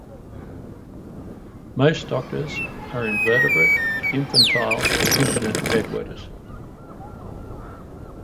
Most doctors are invertebrate, infantile, impotent bedwetters.